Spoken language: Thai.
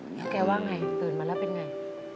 แล้วแกว่าไงตื่นมาแล้วเป็นไง